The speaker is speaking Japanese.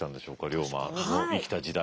龍馬の生きた時代。